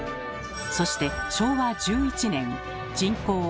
そして昭和１１年人口